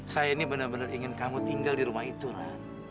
saya ini benar benar ingin kamu tinggal di rumah itu kan